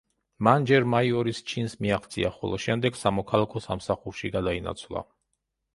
მან ჯერ მაიორის ჩინს მიაღწია, ხოლო შემდეგ სამოქალაქო სამსახურში გადაინაცვლა.